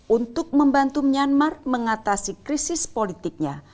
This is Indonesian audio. untuk membantu myanmar mengatasi krisis politiknya